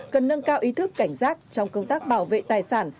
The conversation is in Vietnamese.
cần nâng cao ý thức cảnh giác trong công tác bảo vệ tài sản